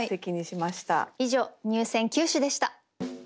以上入選九首でした。